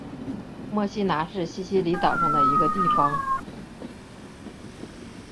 墨西拿是西西里岛上的一个地方。